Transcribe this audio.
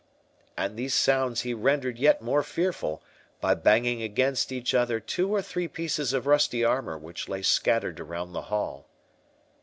And these sounds he rendered yet more fearful, by banging against each other two or three pieces of rusty armour which lay scattered around the hall.